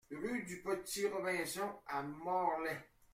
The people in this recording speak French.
Rue du Petit Robinson à Morlaix